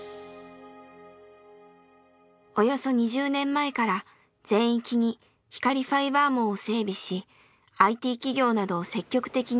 およそ２０年前から全域に光ファイバー網を整備しＩＴ企業などを積極的に誘致。